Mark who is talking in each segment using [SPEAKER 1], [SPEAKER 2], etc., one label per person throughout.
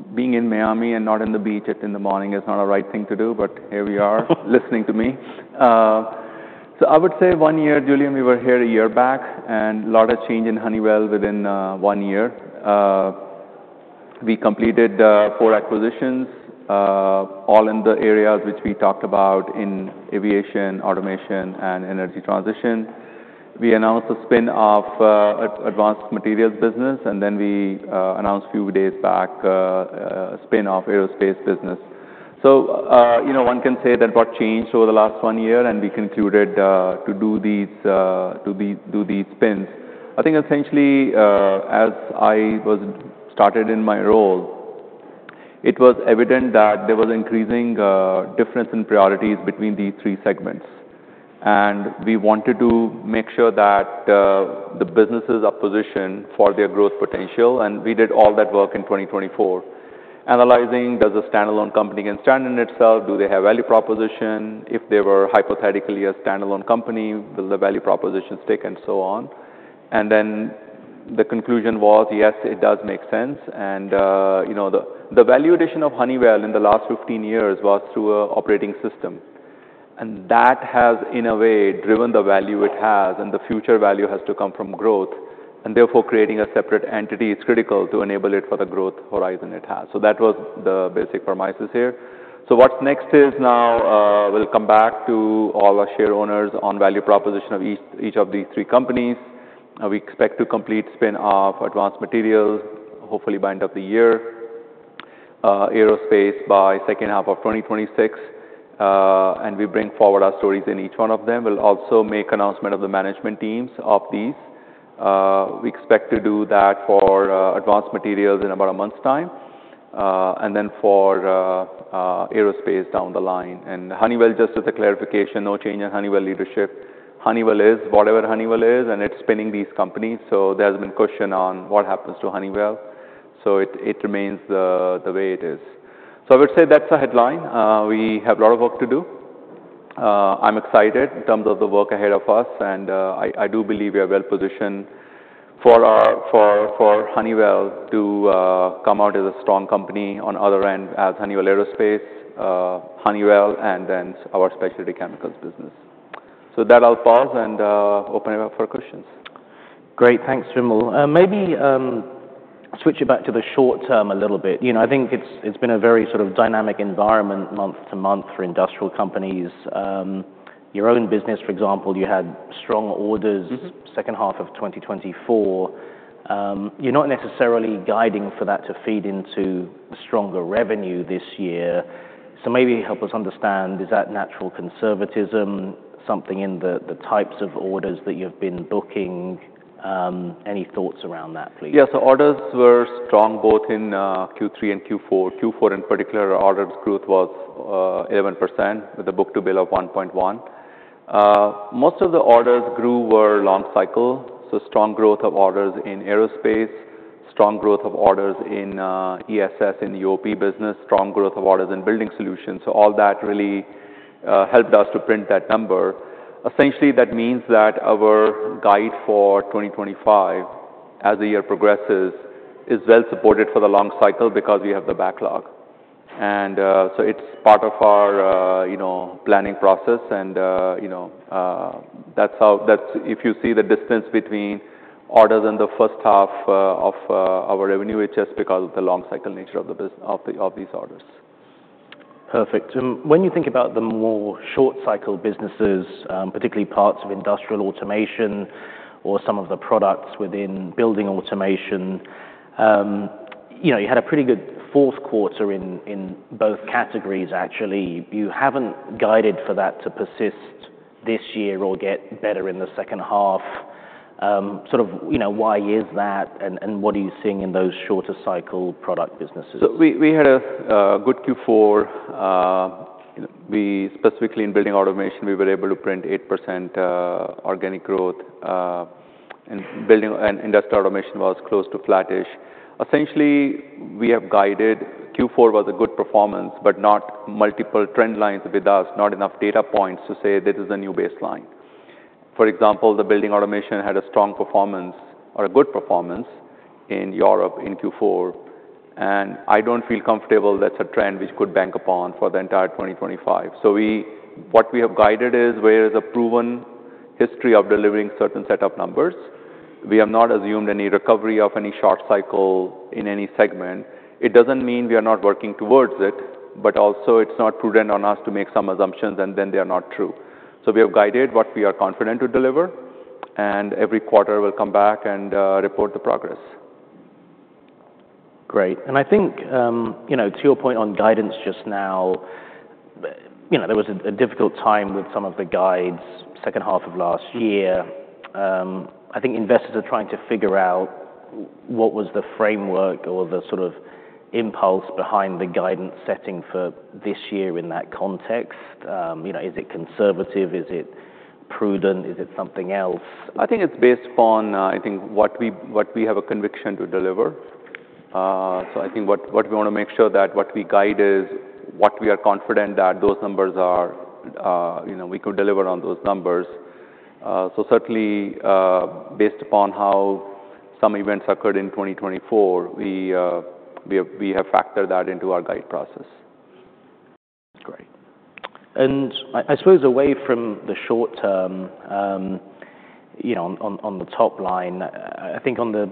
[SPEAKER 1] I think being in Miami and not on the beach in the morning is not the right thing to do, but here we are, listening to me, so I would say one year, Julian, we were here a year back, and a lot of change in Honeywell within one year. We completed four acquisitions, all in the areas that we talked about in aviation, automation, and energy transition. We announced the spin-off Advanced Materials business, and then we announced a few days back a spin-off Aerospace business, so you know, one can say that what changed over the last one year and we concluded to do these spins. I think essentially, as I started in my role, it was evident that there was an increasing difference in priorities between these three segments. We wanted to make sure that the businesses' position for their growth potential, and we did all that work in 2024, analysing does a standalone company can stand on itself, do they have a value proposition, if they were hypothetically a standalone company, wouldn't the value proposition stick, and so on. And then the conclusion was, yes, it does make sense. And, you know, the value addition of Honeywell in the last 15 years was through an operating system. And that has, in a way, driven the value it has, and the future value has to come from growth, and therefore creating a separate entity is critical to enable it for the growth horizon it has. So that was the basic premise here. So what's next is now, we'll come back to all our share owners on the value proposition of each of these three companies.the We expect to complete the spin-off Advanced Materials, hopefully by end of the year, Aerospace by H2 of 2026, and we bring forward our stories in each one of them. We'll also make an announcement of the management teams of these. We expect to do that for Advanced Materials in about a month's time, and then for Aerospace down the line, and Honeywell, just as a clarification, no change in Honeywell leadership. Honeywell is whatever Honeywell is, and it's spinning these companies, so there's been caution on what happens to Honeywell, so it remains the way it is, so I would say that's the headline. We have a lot of work to do. I'm excited in terms of the work ahead of us, and I do believe we are well-positioned for our Honeywell to come out as a strong company on the other end as Honeywell Aerospace, Honeywell, and then our speciality chemicals business. So I'll pause and open it up for questions. Great. Thanks, Vim. Maybe, switch it back to the short term a little bit. You know, I think it's, it's been a very sort of dynamic environment month to month for industrial companies. Your own business, for example, you had strong orders. Mm-hmm.Second half of 2024. You're not necessarily guiding for that to feed into stronger revenue this year. So maybe help us understand, is that natural conservatism, something in the types of orders that you've been booking? Any thoughts around that, please? Yeah. So orders were strong both in Q3 and Q4. Q4 in particular, orders growth was 11% with a book-to-bill of 1.1. Most of the orders grew were long cycle. So strong growth of orders in aerospace, strong growth of orders in ESS and UOP business, strong growth of orders in Building Solutions. So all that really helped us to print that number. Essentially, that means that our guide for 2025, as the year progresses, is well supported for the long cycle because we have the backlog. And so it's part of our you know planning process. And you know that's how that's if you see the distance between orders and the first half of our revenue, it's just because of the long cycle nature of the business of these orders. Perfect Vim. And when you think about the more short cycle businesses, particularly parts of Industrial Automation or some of the products within Building Automation, you know, you had a pretty good fourth quarter in both categories, actually. You haven't guided for that to persist this year or get better in the second half. Sort of, you know, why is that, and what are you seeing in those shorter cycle product businesses? We had a good Q4. Specifically in Building Automation, we were able to print 8% organic growth, and Building and Industrial Automation was close to flattish. Essentially, we have guided. Q4 was a good performance, but not multiple trend lines with us, not enough data points to say this is a new baseline. For example, the Building Automation had a strong performance or a good performance in Europe in Q4. I don't feel comfortable that's a trend which could bank upon for the entire 2025. What we have guided is. We have a proven history of delivering certain set of numbers. We have not assumed any recovery of any short cycle in any segment. It doesn't mean we are not working towards it, but also it's not prudent on us to make some assumptions and then they are not true. So we have guided what we are confident to deliver, and every quarter we'll come back and report the progress. Great. And I think, you know, to your point on guidance just now, you know, there was a difficult time with some of the guidance second half of last year. I think investors are trying to figure out what was the framework or the sort of impulse behind the guidance setting for this year in that context. You know, is it conservative? Is it prudent? Is it something else? I think it's based upon. I think what we have a conviction to deliver, so I think what we want to make sure that what we guide is what we are confident that those numbers are, you know, we could deliver on those numbers, so certainly, based upon how some events occurred in 2024, we have factored that into our guide process. Great. And I suppose away from the short term, you know, on the top line, I think on the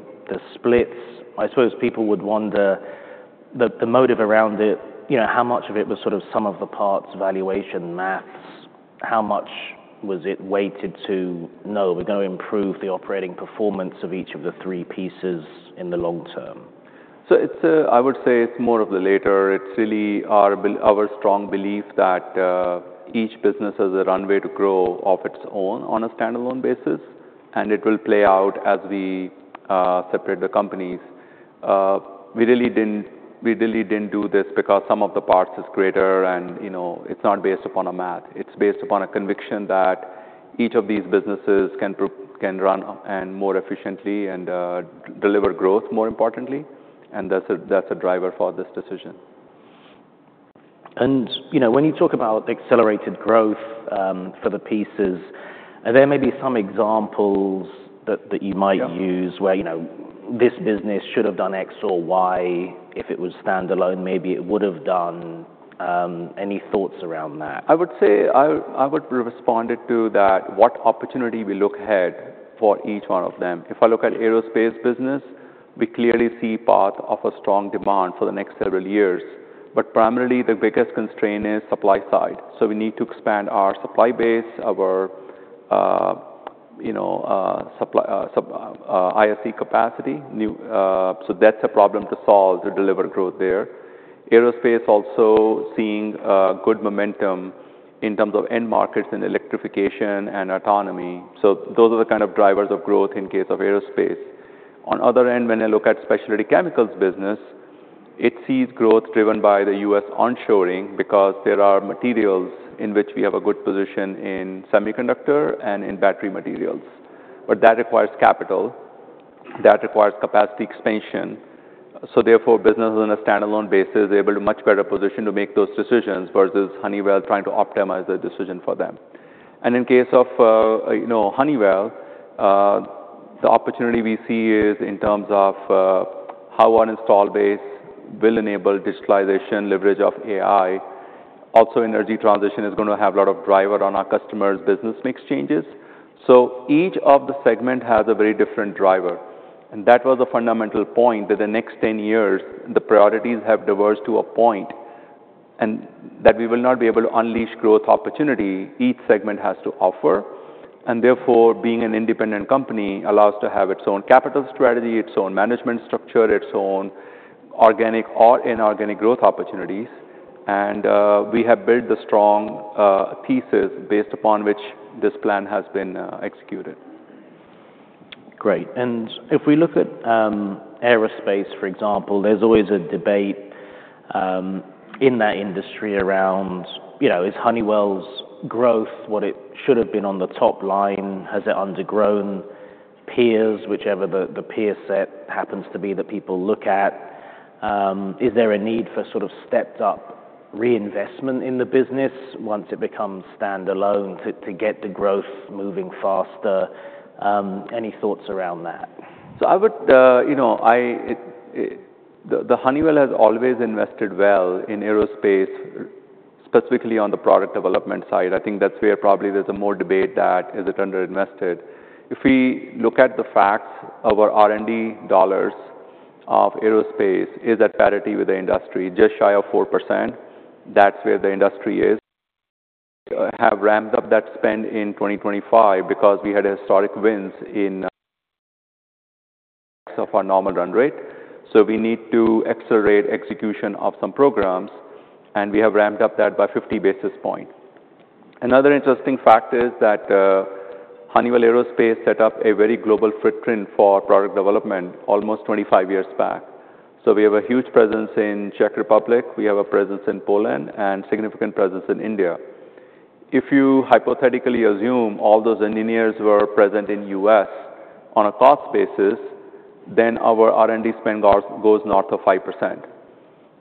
[SPEAKER 1] splits, I suppose people would wonder the motive around it, you know, how much of it was sort of some of the parts valuation math, how much was it weighted to know we're going to improve the operating performance of each of the three pieces in the long term? I would say it's more of the latter. It's really our strong belief that each business has a runway to grow of its own on a standalone basis, and it will play out as we separate the companies. We really didn't do this because the sum of the parts is greater, and you know, it's not based upon a math. It's based upon a conviction that each of these businesses can prosper and run more efficiently and deliver growth more importantly. That's a driver for this decision. You know, when you talk about accelerated growth, for the pieces, are there maybe some examples that you might use where, you know, this business should have done X or Y if it was standalone? Maybe it would have done. Any thoughts around that? I would say I would respond to that what opportunity we look ahead for each one of them. If I look at Aerospace business, we clearly see a path of a strong demand for the next several years. But primarily, the biggest constraint is supply side. So we need to expand our supply base, our you know supply ISC capacity, so that's a problem to solve to deliver growth there. Aerospace also seeing good momentum in terms of end markets and electrification and autonomy. So those are the kind of drivers of growth in case of Aerospace. On the other end, when I look at specialty chemicals business, it sees growth driven by the U.S. onshoring because there are materials in which we have a good position in semiconductor and in battery materials. But that requires capital. That requires capacity expansion. So therefore, businesses on a standalone basis are able to much better position to make those decisions versus Honeywell trying to optimize the decision for them. And in case of, you know, Honeywell, the opportunity we see is in terms of how our install base will enable digitalisation, leverage of AI. Also, energy transition is going to have a lot of driver on our customers' business mix changes. So each of the segment has a very different driver. And that was a fundamental point that the next 10 years, the priorities have diverged to a point and that we will not be able to unleash growth opportunity each segment has to offer. And therefore, being an independent company allows to have its own capital strategy, its own management structure, its own organic or inorganic growth opportunities. We have built the strong thesis based upon which this plan has been executed. Great, and if we look at aerospace, for example, there's always a debate in that industry around, you know, is Honeywell's growth what it should have been on the top line? Has it undergrown peers, whichever the peer set happens to be that people look at? Is there a need for sort of stepped-up reinvestment in the business once it becomes standalone to get the growth moving faster? Any thoughts around that? So, you know, Honeywell has always invested well in aerospace, specifically on the product development side. I think that's where probably there's more debate that is it underinvested. If we look at the facts, our R&D dollars of aerospace is at parity with the industry, just shy of 4%. That's where the industry is. We have ramped up that spend in 2025 because we had historic wins in excess of our normal run rate. So we need to accelerate execution of some programs, and we have ramped up that by 50 basis points. Another interesting fact is that Honeywell Aerospace set up a very global footprint for product development almost 25 years back. So we have a huge presence in Czech Republic. We have a presence in Poland and significant presence in India. If you hypothetically assume all those engineers were present in U.S. on a cost basis, then our R&D spend goes north of 5%.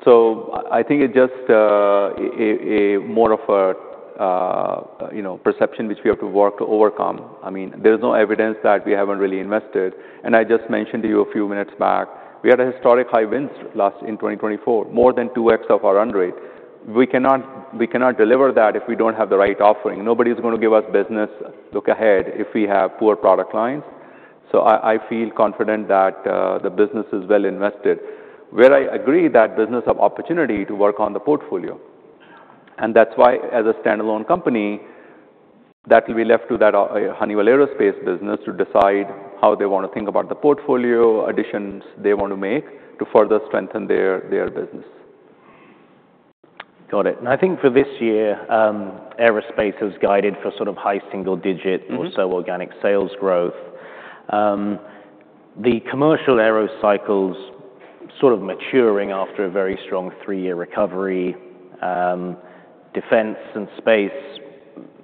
[SPEAKER 1] So I think it just a more of a, you know, perception which we have to work to overcome. I mean, there's no evidence that we haven't really invested. And I just mentioned to you a few minutes back, we had a historic high wins last in 2024, more than 2X of our run rate. We cannot deliver that if we don't have the right offering. Nobody's going to give us business look ahead if we have poor product lines. So I feel confident that the business is well invested. Where I agree that business of opportunity to work on the portfolio. That's why as a standalone company, that will be left to that, Honeywell Aerospace business to decide how they want to think about the portfolio additions they want to make to further strengthen their business. Got it, and I think for this year, aerospace has guided for sort of high single-digit or so organic sales growth. The commercial aero cycles sort of maturing after a very strong three-year recovery. Defense and space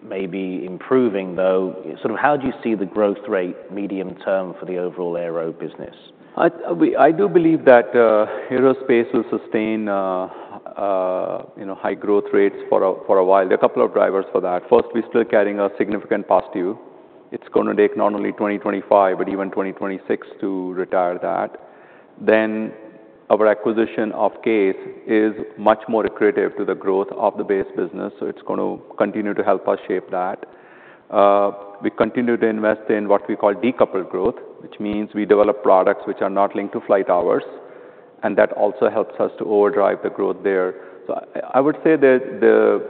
[SPEAKER 1] may be improving, though. Sort of how do you see the growth rate medium term for the overall aero business? I do believe that aerospace will sustain, you know, high growth rates for a while. There are a couple of drivers for that. First, we're still carrying a significant past due. It's going to take not only 2025 but even 2026 to retire that. Then our acquisition of CASE is much more accretive to the growth of the base business. So it's going to continue to help us shape that. We continue to invest in what we call decoupled growth, which means we develop products which are not linked to flight hours. And that also helps us to overdrive the growth there. So I would say that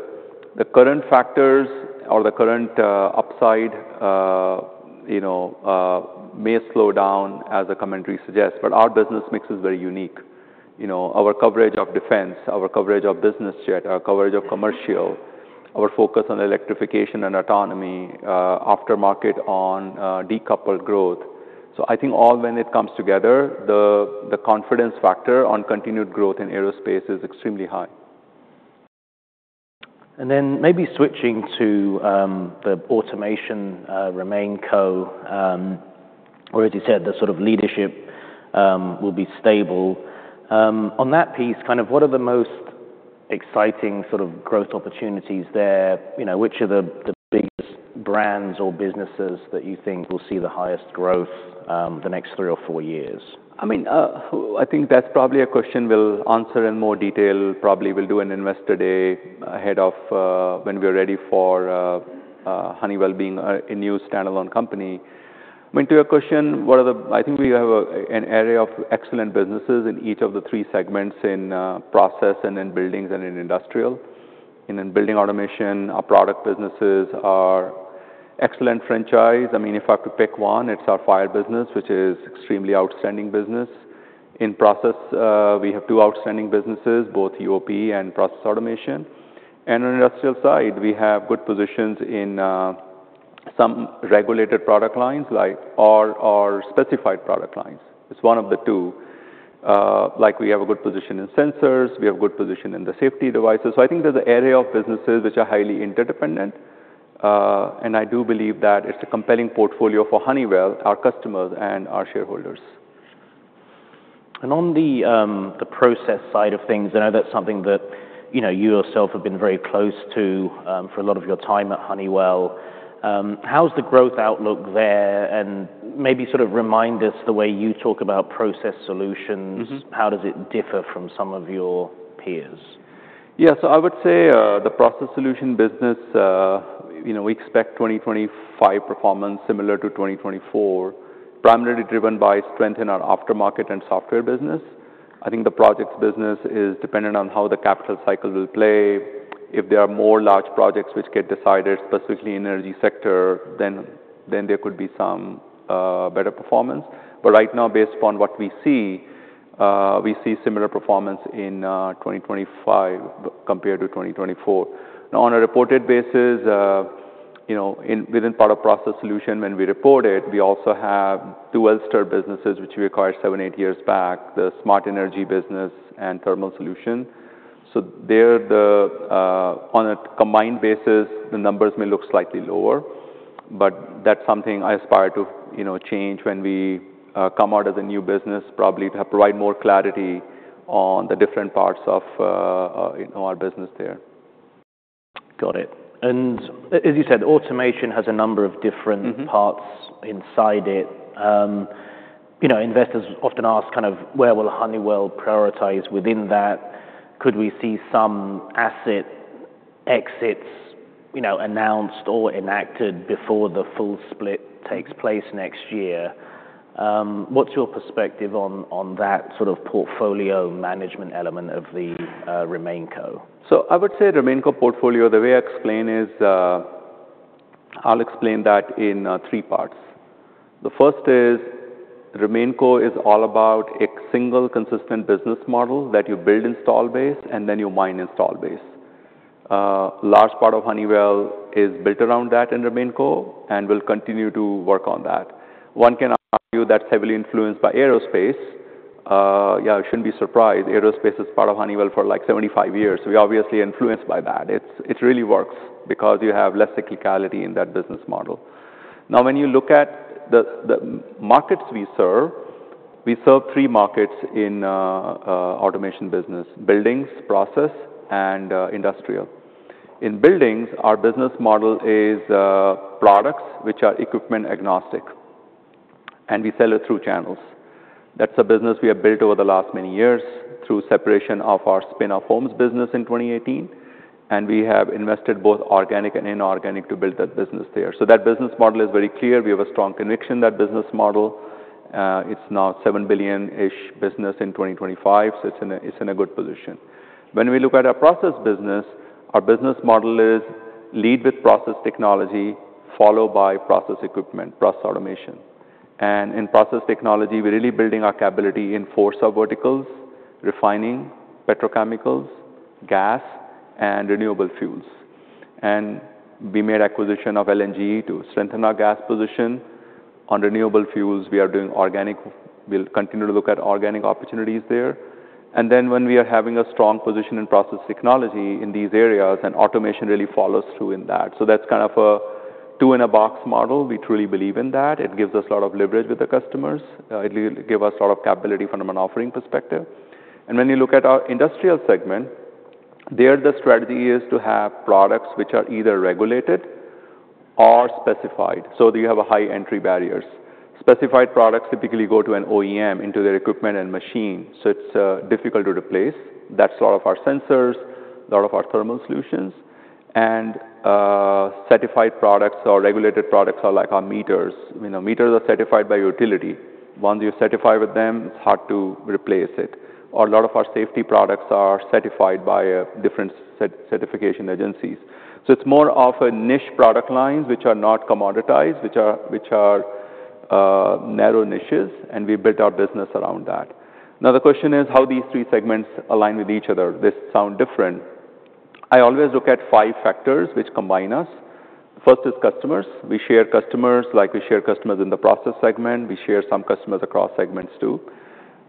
[SPEAKER 1] the current factors or the current upside, you know, may slow down as the commentary suggests. But our business mix is very unique. You know, our coverage of defense, our coverage of business jet, our coverage of commercial, our focus on electrification and autonomy, aftermarket on decoupled growth. So I think all when it comes together, the confidence factor on continued growth in aerospace is extremely high. And then maybe switching to the automation, RemainCo already said the sort of leadership will be stable. On that piece, kind of what are the most exciting sort of growth opportunities there? You know, which are the biggest brands or businesses that you think will see the highest growth, the next three or four years? I mean, I think that's probably a question we'll answer in more detail. Probably we'll do an investor day ahead of, when we're ready for, Honeywell being a new standalone company. I mean, to your question, what are the, I think we have an area of excellent businesses in each of the three segments in, process and in buildings and in industrial. In building automation, our product businesses are excellent franchise. I mean, if I have to pick one, it's our fire business, which is an extremely outstanding business. In process, we have two outstanding businesses, both UOP and process automation. And on the industrial side, we have good positions in, some regulated product lines like, or specified product lines. It's one of the two. Like we have a good position in sensors. We have a good position in the safety devices. I think there's an area of businesses which are highly interdependent and I do believe that it's a compelling portfolio for Honeywell, our customers, and our shareholders. And on the process side of things, I know that's something that, you know, you yourself have been very close to, for a lot of your time at Honeywell. How's the growth outlook there? And maybe sort of remind us the way you talk about process solutions. How does it differ from some of your peers? Yeah. So I would say, the Process Solutions business, you know, we expect 2025 performance similar to 2024, primarily driven by strength in our aftermarket and software business. I think the projects business is dependent on how the capital cycle will play. If there are more large projects which get decided specifically in the energy sector, then there could be some better performance. But right now, based upon what we see, we see similar performance in 2025 compared to 2024. Now, on a reported basis, you know, within part of Process Solutions, when we report it, we also have two well-established businesses which we acquired seven, eight years back, the Smart Energy business and Thermal Solutions. So there, the, on a combined basis, the numbers may look slightly lower. But that's something I aspire to, you know, change when we come out as a new business, probably to provide more clarity on the different parts of, you know, our business there. Got it. And as you said, automation has a number of different parts inside it. You know, investors often ask kind of where will Honeywell prioritize within that? Could we see some asset exits, you know, announced or enacted before the full split takes place next year? What's your perspective on that sort of portfolio management element of the RemainCo? So I would say RemainCo portfolio. The way I explain is, I'll explain that in three parts. The first is RemainCo is all about a single consistent business model that you build install base and then you mine install base. Large part of Honeywell is built around that in RemainCo and will continue to work on that. One can argue that's heavily influenced by aerospace. Yeah, I shouldn't be surprised. Aerospace is part of Honeywell for like 75 years. We're obviously influenced by that. It really works because you have less cyclicality in that business model. Now, when you look at the markets we serve, we serve three markets in automation business: buildings, process, and industrial. In buildings, our business model is products which are equipment agnostic. And we sell it through channels. That's a business we have built over the last many years through separation of our spin-off homes business in 2018. And we have invested both organic and inorganic to build that business there. So that business model is very clear. We have a strong conviction that business model. It's now $7 billion-ish business in 2025. So it's in a good position. When we look at our process business, our business model is lead with process technology, followed by process equipment, process automation. And in process technology, we're really building our capability in four sub-verticals: refining, petrochemicals, gas, and renewable fuels. And we made acquisition of LNG to strengthen our gas position. On renewable fuels, we are doing organic. We'll continue to look at organic opportunities there. And then when we are having a strong position in process technology in these areas, then automation really follows through in that. So that's kind of a two-in-a-box model. We truly believe in that. It gives us a lot of leverage with the customers. It gives us a lot of capability from an offering perspective. And when you look at our industrial segment, there the strategy is to have products which are either regulated or specified so that you have high entry barriers. Specified products typically go to an OEM into their equipment and machine. So it's difficult to replace. That's a lot of our sensors, a lot of our thermal solutions. And certified products or regulated products are like our meters. You know, meters are certified by utility. Once you're certified with them, it's hard to replace it. Or a lot of our safety products are certified by different certification agencies. So it's more of a niche product lines which are not commoditized, which are narrow niches. And we built our business around that. Now, the question is how these three segments align with each other. They sound different. I always look at five factors which combine us. First is customers. We share customers like we share customers in the process segment. We share some customers across segments too.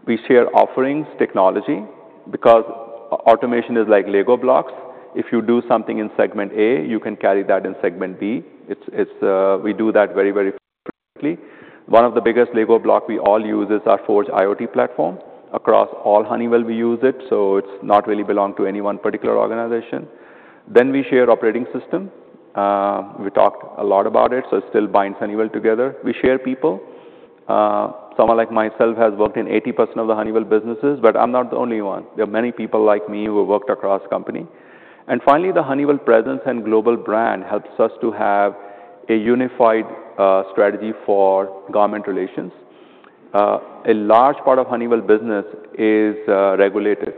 [SPEAKER 1] We share offerings, technology, because automation is like Lego blocks. If you do something in segment A, you can carry that in segment B. It's. We do that very, very quickly. One of the biggest Lego blocks we all use is our Forge IoT platform. Across all Honeywell, we use it. So it's not really belong to any one particular organization. Then we share operating system. We talked a lot about it. So it still binds Honeywell together. We share people. Someone like myself has worked in 80% of the Honeywell businesses, but I'm not the only one. There are many people like me who have worked across company. And finally, the Honeywell presence and global brand helps us to have a unified strategy for government relations. A large part of Honeywell business is regulated.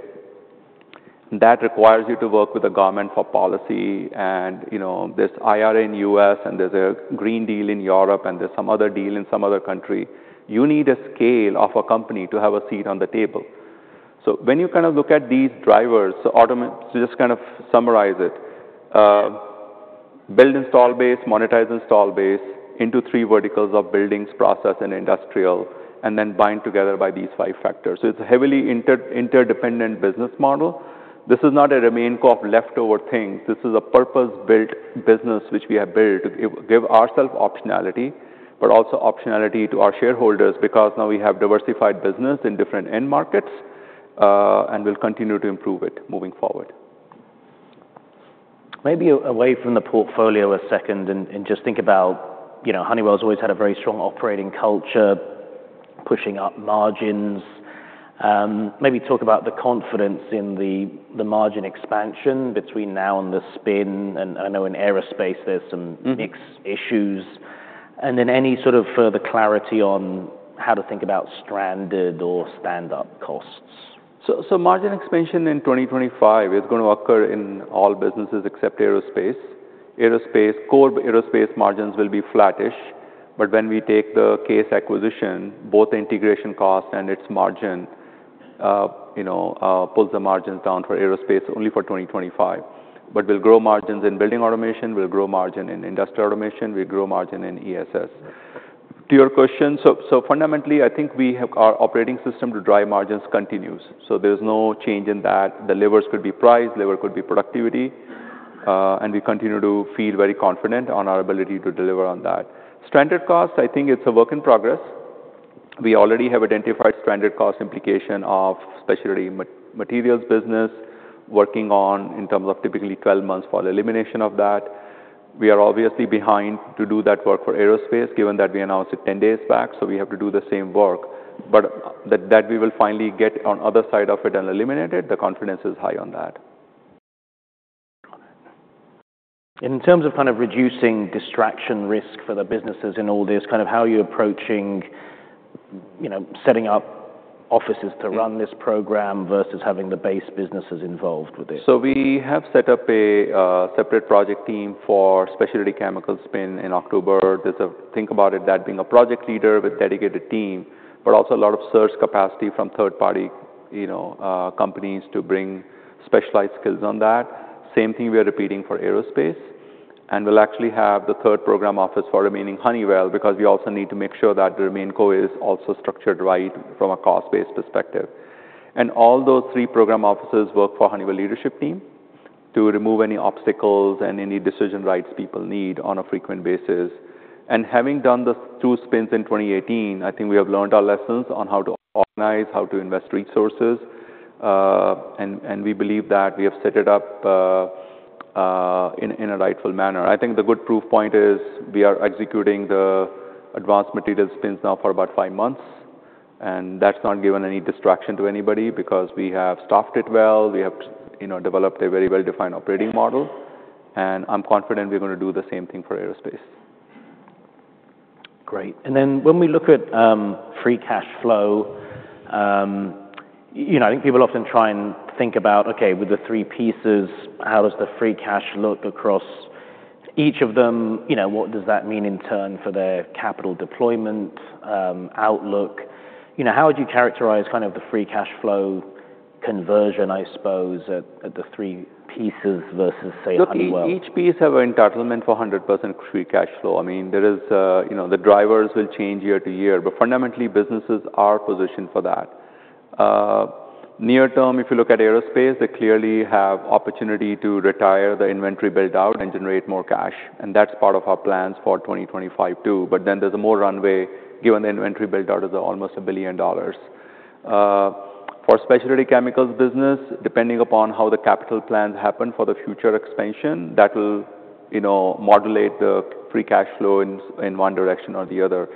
[SPEAKER 1] That requires you to work with the government for policy. And, you know, there's IRA in the U.S., and there's a Green Deal in Europe, and there's some other deal in some other country. You need a scale of a company to have a seat on the table. So when you kind of look at these drivers, so to just kind of summarize it, build install base, monetize install base into three verticals of buildings, process, and industrial, and then bind together by these five factors. So it's a heavily interdependent business model. This is not a Remain Co leftover thing. This is a purpose-built business which we have built to give ourself optionality, but also optionality to our shareholders because now we have diversified business in different end markets, and we'll continue to improve it moving forward. Maybe away from the portfolio a second and just think about, you know, Honeywell's always had a very strong operating culture, pushing up margins. Maybe talk about the confidence in the margin expansion between now and the spin. I know in aerospace there's some mixed issues, then any sort of further clarity on how to think about stranded or stand-up costs? So, margin expansion in 2025 is going to occur in all businesses except aerospace. Aerospace core Aerospace margins will be flattish. But when we take the CASE acquisition, both integration cost and its margin, you know, pulls the margins down for aerospace only for 2025. But we'll grow margins in building automation. We'll grow margin in industrial automation. We'll grow margin in ESS. To your question, so, fundamentally, I think we have our operating system to drive margins continues. So there's no change in that. The levers could be price, lever could be productivity, and we continue to feel very confident on our ability to deliver on that. Stranded costs, I think it's a work in progress. We already have identified stranded cost implication of specialty materials business working on in terms of typically 12 months for elimination of that. We are obviously behind to do that work for aerospace given that we announced it 10 days back. So we have to do the same work. But that, that we will finally get on the other side of it and eliminate it, the confidence is high on that. Got it. In terms of kind of reducing distraction risk for the businesses in all this, kind of how are you approaching, you know, setting up offices to run this program versus having the base businesses involved with it? So we have set up a separate project team for specialty chemicals spin in October. There's a thing about it that being a project leader with dedicated team, but also a lot of surge capacity from third-party, you know, companies to bring specialized skills on that. Same thing we are repeating for aerospace. And we'll actually have the third program office for remaining Honeywell because we also need to make sure that the Remain Co is also structured right from a cost-based perspective. And all those three program offices work for Honeywell leadership team to remove any obstacles and any decision rights people need on a frequent basis. And having done the two spins in 2018, I think we have learned our lessons on how to organize, how to invest resources, and we believe that we have set it up in a rightful manner. I think the good proof point is we are executing the advanced materials spins now for about five months. And that's not given any distraction to anybody because we have staffed it well. We have, you know, developed a very well-defined operating model. And I'm confident we're going to do the same thing for aerospace. Great. And then when we look at free cash flow, you know, I think people often try and think about, okay, with the three pieces, how does the free cash flow look across each of them? You know, what does that mean in turn for their capital deployment outlook? You know, how would you characterize kind of the free cash flow conversion, I suppose, at the three pieces versus, say, Honeywell? Each piece has an entitlement for 100% free cash flow. I mean, there is, you know, the drivers will change year to year, but fundamentally, businesses are positioned for that. Near term, if you look at aerospace, they clearly have opportunity to retire the inventory build-out and generate more cash. And that's part of our plans for 2025 too. But then there's more runway given the inventory build-out is almost $1 billion. For specialty chemicals business, depending upon how the capital plans happen for the future expansion, that will, you know, modulate the free cash flow in one direction or the other.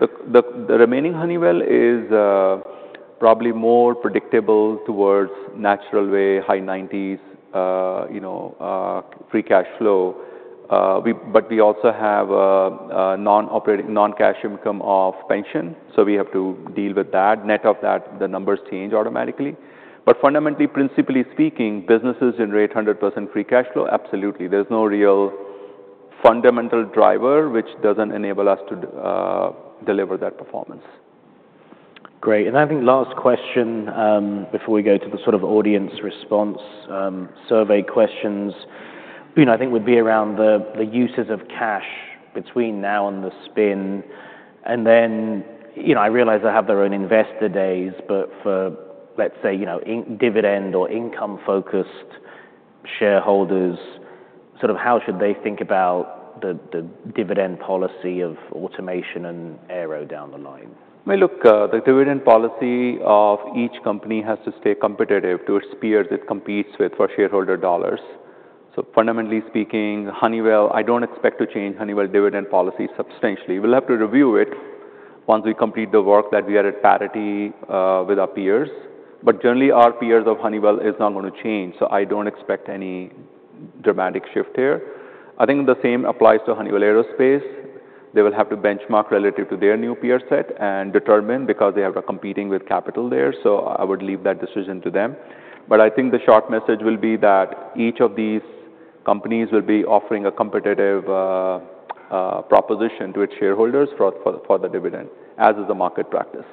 [SPEAKER 1] The remaining Honeywell is probably more predictable towards natural way, high 90s, you know, free cash flow. But we also have a non-operating, non-cash income of pension. So we have to deal with that. Net of that, the numbers change automatically. But fundamentally, principally speaking, businesses generate 100% free cash flow. Absolutely. There's no real fundamental driver which doesn't enable us to deliver that performance. Great. And I think last question, before we go to the sort of audience response, survey questions, you know, I think would be around the uses of cash between now and the spin. And then, you know, I realize they have their own investor days, but for, let's say, you know, dividend or income-focused shareholders, sort of how should they think about the dividend policy of automation and Aero down the line? I mean, look, the dividend policy of each company has to stay competitive to its peers it competes with for shareholder dollars, so fundamentally speaking, Honeywell, I don't expect to change Honeywell dividend policy substantially. We'll have to review it once we complete the work that we are at parity with our peers, but generally, our peers of Honeywell is not going to change, so I don't expect any dramatic shift here. I think the same applies to Honeywell Aerospace. They will have to benchmark relative to their new peer set and determine because they are competing with capital there, so I would leave that decision to them, but I think the short message will be that each of these companies will be offering a competitive proposition to its shareholders for the dividend, as is the market practice.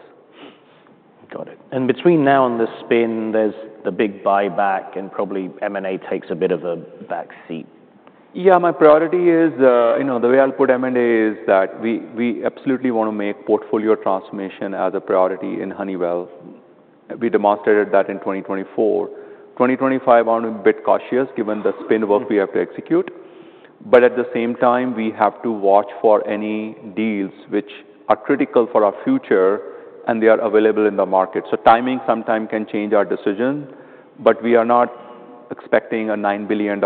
[SPEAKER 1] Got it. And between now and the spin, there's the big buyback and probably M&A takes a bit of a backseat. Yeah, my priority is, you know, the way I'll put M&A is that we absolutely want to make portfolio transformation as a priority in Honeywell. We demonstrated that in 2024. 2025, I'm a bit cautious given the spin work we have to execute. But at the same time, we have to watch for any deals which are critical for our future and they are available in the market. So timing sometimes can change our decision, but we are not expecting a $9 billion,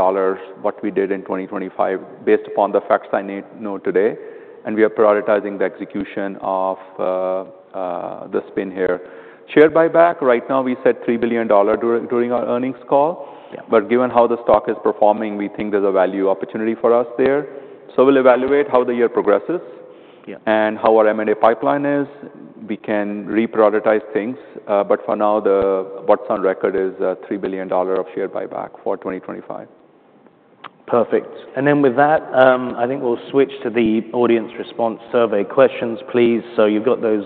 [SPEAKER 1] what we did in 2025, based upon the facts I know today. And we are prioritizing the execution of the spin here. Share buyback right now, we said $3 billion during our earnings call. Yeah. But given how the stock is performing, we think there's a value opportunity for us there. So we'll evaluate how the year progresses. Yeah. And how our M&A pipeline is. We can reprioritize things. But for now, the what's on record is a $3 billion of share buyback for 2025. Perfect. And then with that, I think we'll switch to the audience response survey questions, please. So you've got those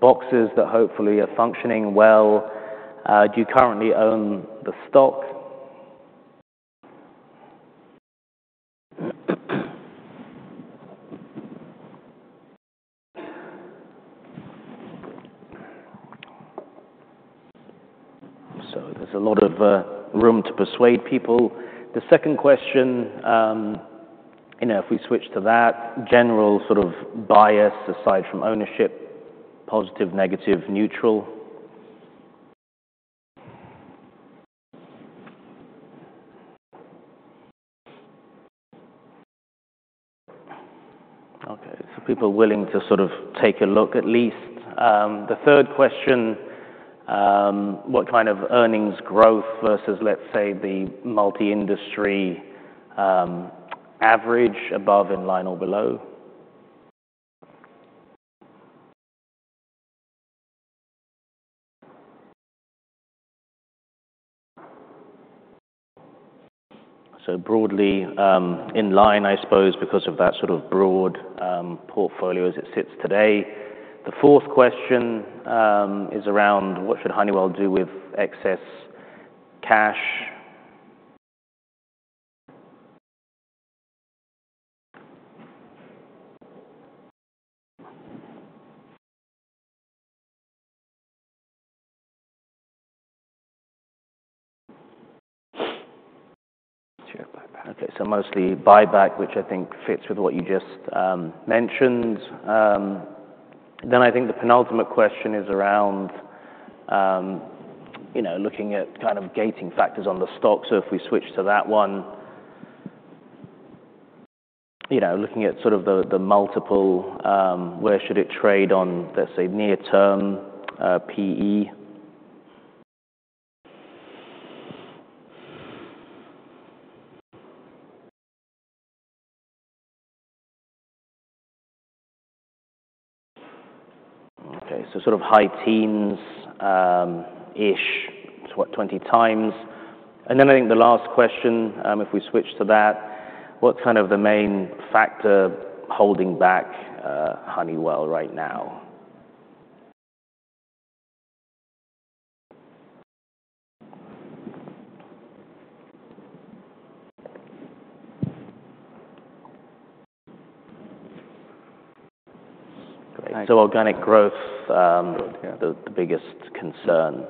[SPEAKER 1] boxes that hopefully are functioning well. Do you currently own the stock? So there's a lot of room to persuade people. The second question, you know, if we switch to that, general sort of bias aside from ownership, positive, negative, neutral. Okay. So people willing to sort of take a look at least. The third question, what kind of earnings growth versus, let's say, the multi-industry average, above, in line, or below? So broadly, in line, I suppose, because of that sort of broad portfolio as it sits today. The fourth question is around what Honeywel do with excess cash? Okay. So mostly buyback, which I think fits with what you just mentioned. Then I think the penultimate question is around, you know, looking at kind of gating factors on the stock. So if we switch to that one, you know, looking at sort of the multiple, where should it trade on, let's say, near term, PE? Okay. So sort of high teens, ish, to what, 20 times. And then I think the last question, if we switch to that, what's kind of the main factor holding back Honeywell right now? Great. So organic growth, the biggest concern.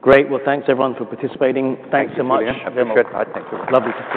[SPEAKER 1] Great. Well, thanks everyone for participating. Thanks so much. Thank you. Have a good night. Thank you. Lovely to.